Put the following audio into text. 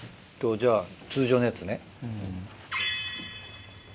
じゃあ通常のやつね。